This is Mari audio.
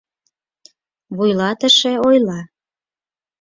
Вуйлатыше ойла: